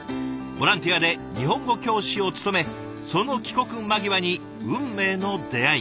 ボランティアで日本語教師を務めその帰国間際に運命の出会いが。